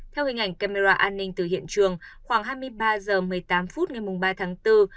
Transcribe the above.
theo hình ảnh camera an ninh từ hiện trường khoảng hai mươi ba h một mươi tám phút ngày ba tháng bốn